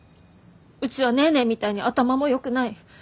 うちはネーネーみたいに頭もよくない。